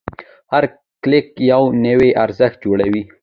هر کلیک یو نوی ارزښت جوړوي.